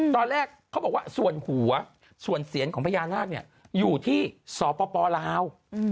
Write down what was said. ตอนแรกเขาบอกว่าส่วนหัวส่วนเสียนของพญานาคอยู่ที่สปลาว